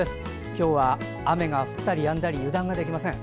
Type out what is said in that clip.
今日は雨が降ったりやんだり油断ができません。